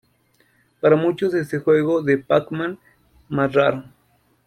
Para muchos, este es el juego de Pac-Man más raro.